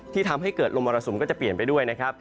ทำให้เกิดลมมรสุมก็จะเปลี่ยนไปด้วยนะครับ